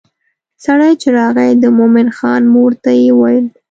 سړی چې راغی د مومن خان مور ته یې وویل.